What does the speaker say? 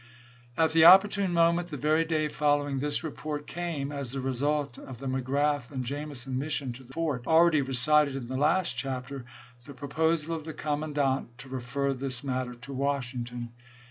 At the opportune moment, the very day follow ing this report, came, as the result of the Magrath and Jamison mission to the fort, already recited in the last chapter, the proposal of the commandant " to refer this matter to Washington."